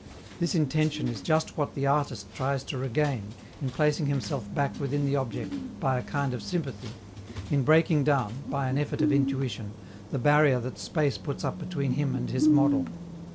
This intention is just what the artist tries to regain, in placing himself back within the object by a kind of sympathy, in breaking down, by an effort of intuition, the barrier that space puts up between him and his model.